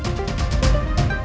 aku mau ke sana